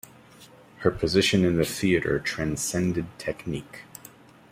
Her position in the theatre transcended technique...